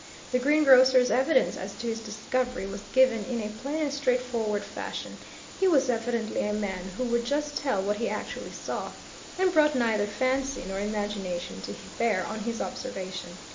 The greengrocer's evidence as to his discovery was given in a plain and straightforward fashion he was evidently a man who would just tell what he actually saw, and brought neither fancy nor imagination to bear on his observation.